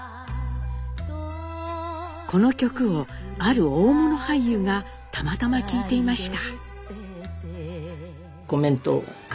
この曲をある大物俳優がたまたま聴いていました。